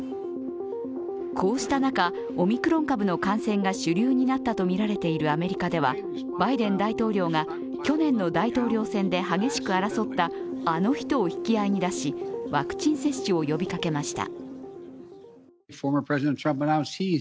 こうした中、オミクロン株の感染が主流になったとみられているアメリカではバイデン大統領が去年の大統領選で激しく争ったあの人を引き合いに出し、ワクチン接種を呼びかけました。